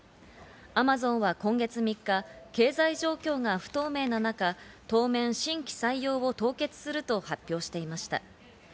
アマゾンは今月３日、経済状況が不透明な中、当面、新規採用を凍結すると発表していました。